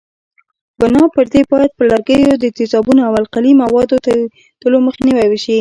بنا پر دې باید پر لرګیو د تیزابونو او القلي موادو توېدلو مخنیوی وشي.